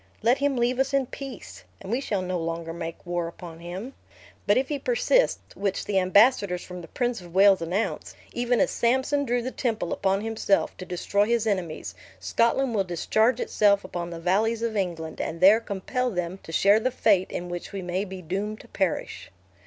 Let him leave us in peace, and we shall no longer make war upon him. But if he persist (which the ambassadors from the Prince of Wales announce), even as Samson drew the temple upon himself, to destroy his enemies, Scotland will discharge itself upon the valleys of England; and there compel them to share the fate in which we may be doomed to perish."